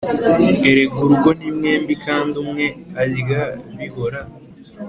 erega urugo ni mwembi kandi umwe arya bihora